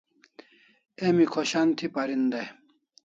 Emi khoshan thi parin dai